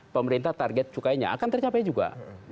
pemerintah target cukainya akan tercapai juga